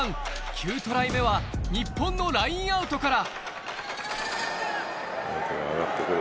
９トライ目は日本のラインアウトから。